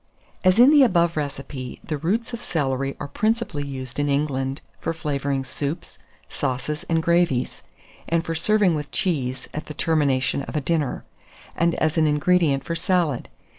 As in the above recipe, the roots of celery are principally used in England for flavouring soups, sauces, and gravies, and for serving with cheese at the termination of a dinner, and as an ingredient for salad.